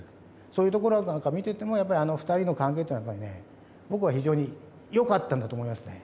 そういうところなんか見ててもあの２人の関係っていうのはやっぱりねぼくは非常によかったんだと思いますね。